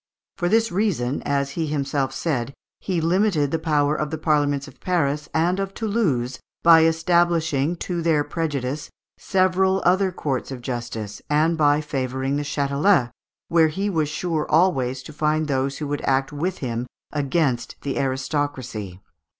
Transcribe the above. For this reason, as he himself said, he limited the power of the Parliaments of Paris and Toulouse, by establishing, to their prejudice, several other courts of justice, and by favouring the Châtelet, where he was sure always to find those who would act with him against the aristocracy.